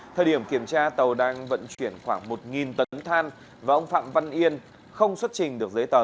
thời điểm kiểm tra tàu đang vận chuyển khoảng một tấn than và ông phạm văn yên không xuất trình được giấy tờ